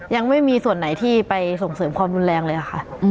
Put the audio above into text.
ยังไม่มีส่วนไหนที่ไปส่งเสริมความรุนแรงเลยค่ะ